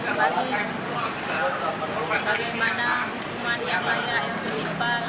sama hotman paris bagaimana hukuman yang layak yang sedipal